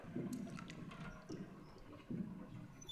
繁体中文版由台湾光谱代理。